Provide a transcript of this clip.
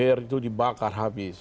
dpr itu dibakar habis